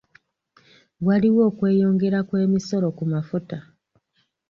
Waliwo okweyongera kw'emisolo ku mafuta.